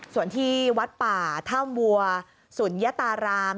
ส่วนที่วัดป่าถ้ำวัวสุนยตาราม